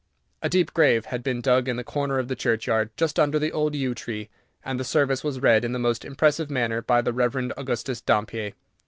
A deep grave had been dug in the corner of the churchyard, just under the old yew tree, and the service was read in the most impressive manner by the Rev. Augustus Dampier.